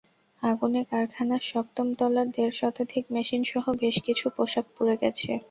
আগুনে কারখানার সপ্তম তলার দেড় শতাধিক মেশিনসহ বেশ কিছু পোশাক পুড়ে গেছে।